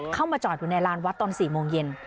เข้ามาจอดอยู่ในลานวัดตอน๔โมงเย็น